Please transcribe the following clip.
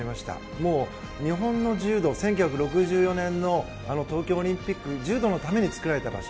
もう、日本の柔道１９６４年の東京オリンピック柔道のために作られた場所。